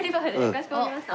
かしこまりました。